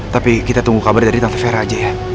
tapi kita tunggu kabar dari tante vera aja ya